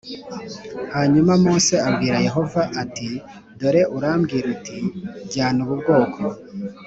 Hanyuma mose abwira yehova ati dore urambwira uti jyana ubu bwoko